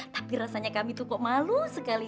tapi rasanya kami tuh kok malu sekali